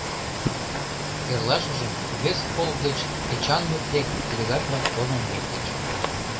Эрлашыжым вес полк гыч Эчанмыт дек делегат-влак толын лектыч.